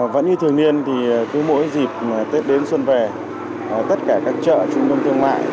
vẫn như thường niên thì cứ mỗi dịp tết đến xuân về tất cả các chợ trung tâm thương mại